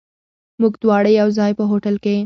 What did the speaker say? موږ دواړه یو ځای، په هوټل کې.